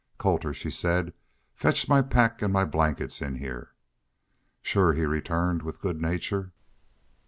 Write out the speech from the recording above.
"Colter," she said, "fetch my pack an' my blankets in heah." "Shore," he returned, with good nature.